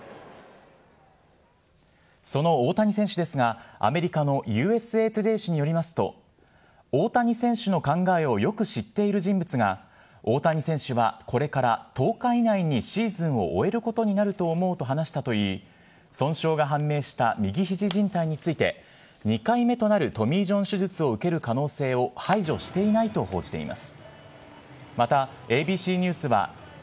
その大谷選手ですが、アメリカのＵＳＡトゥデー紙によりますと、大谷選手の考えをよく知っている人物が、大谷選手はこれから、１０日以内にシーズンを終えることになると思うと話したといい、損傷が判明した右ひじじん帯について、２回目となるトミー・ジョン手術を受ける可能性を排除していないと報じています。